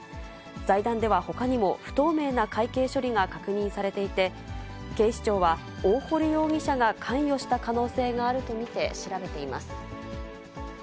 財団ではほかにも、不透明な会計処理が確認されていて、警視庁は、大堀容疑者が関与した可能性があると見て調べています。